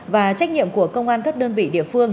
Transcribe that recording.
và trách nhiệm của công an các đơn vị địa phương